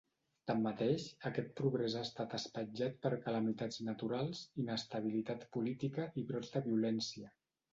Tanmateix, aquest progrés ha estat espatllat per calamitats naturals, inestabilitat política i brots de violència.